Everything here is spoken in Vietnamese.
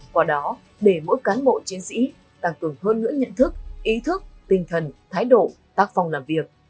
qua đó để mỗi cán bộ chiến sĩ tăng cường hơn nữa nhận thức ý thức tinh thần thái độ tác phong làm việc